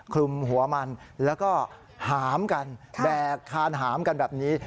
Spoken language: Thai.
คลุมหัวมันแล้วก็หามกันแบกคานหามกันแบบนี้